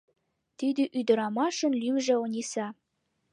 Тиде ӱдырамашын лӱмжӧ Ониса.